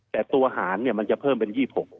แต่ตัวหารมันจะเพิ่มเป็น๒๖